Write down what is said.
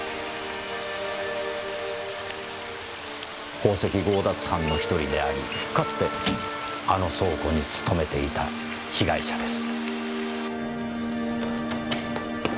宝石強奪犯の１人でありかつてあの倉庫に勤めていた被害者です。